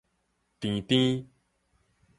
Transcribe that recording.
甜甜